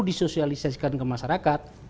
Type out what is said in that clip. disosialisasikan ke masyarakat